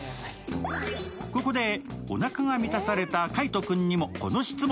ここで、おなかが満たされた海音君にもこの質問。